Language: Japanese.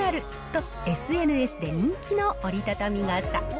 と、ＳＮＳで人気の折りたたみ傘。